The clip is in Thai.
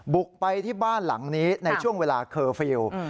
บุกไปที่บ้านหลังนี้ในช่วงเวลาเคอร์ฟิลล์